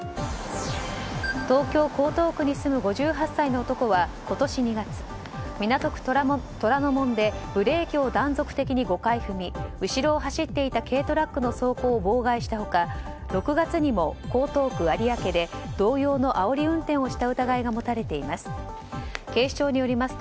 東京・江東区に住む５８歳の男は今年２月港区虎ノ門でブレーキを断続的に５回踏み後ろを走っていた軽トラックの走行を妨害した他６月にも江東区有明で同様のあおり運転をした疑いが持たれています。